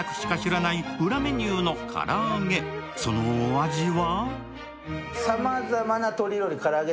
そのお味は？